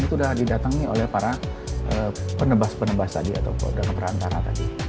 itu sudah didatangi oleh para penebas penebas tadi atau program perantara tadi